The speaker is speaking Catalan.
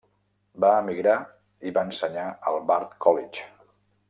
Va emigrar i va ensenyar al Bard College.